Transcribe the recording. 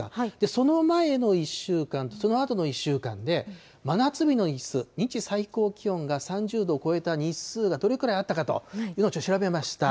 その前の１週間とそのあとの１週間で、真夏日の日数、最高気温が３０度を超えた日数がどれぐらいあったかというのを、ちょっと調べました。